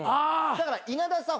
だから稲田さん